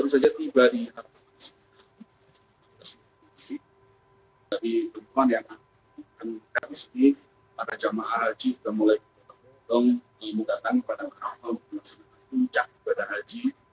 selamat siang waktu indonesia selamat pagi ya kami baru saja tiba di